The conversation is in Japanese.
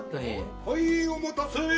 はいお待たせ！